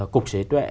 cục sở hữu trí tuệ